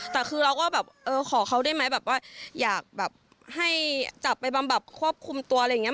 แต่คือเราก็ขอเขาได้ไหมอยากให้จับไปบำบับควบคุมตัวอะไรอย่างนี้